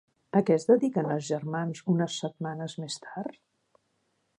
A què es dediquen els germans unes setmanes més tard?